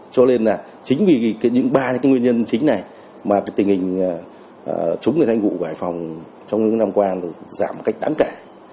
cho nên chính vì những ba nguyên nhân chính này mà tình hình chống người thi hành vụ của hải phòng trong những năm qua giảm một cách đáng kể